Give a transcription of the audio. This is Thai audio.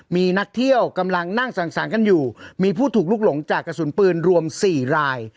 มีนักเที่ยวกำลังนั่งสั่งสรรค์กันอยู่มีผู้ถูกลุกหลงจากกระสุนปืนรวม๔ราย